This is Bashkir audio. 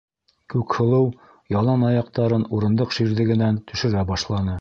- Күкһылыу ялан аяҡтарын урындыҡ ширҙегенән төшөрә башланы.